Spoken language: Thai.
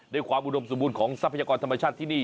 ความอุดมสมบูรณ์ของทรัพยากรธรรมชาติที่นี่